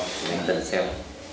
cho nên tân xem